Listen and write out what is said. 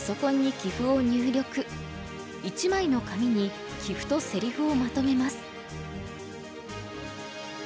１枚の紙に棋譜とせりふをまとめます。